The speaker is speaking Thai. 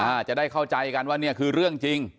อาจจะได้เข้าใจกันว่าเนี่ยคือเรื่องจริง